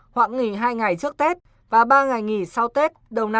khoảng nghỉ hai ngày trước tết và ba ngày nghỉ sau tết